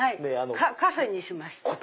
カフェにしました。